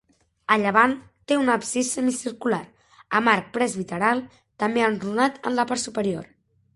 A llevant té un absis semicircular, amb arc presbiteral, també enrunat en la part superior.